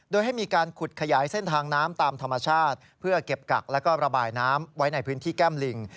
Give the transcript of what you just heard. โดยให้มีการขุดขยายเส้นทางน้ำตามธรรมชาติเพื่อเก็บกักแล้วก็ระบายน้ำไว้ในพื้นที่แก้มลิง